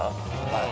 はい。